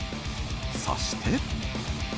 そして。